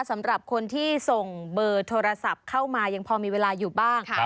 สำหรับคนที่ส่งเบอร์โทรศัพท์เข้ามายังพอมีเวลาอยู่บ้าง